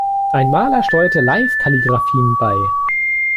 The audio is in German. Ein Maler steuerte Live-Kalligraphien bei.